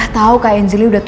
saya menganggepyes kepadamu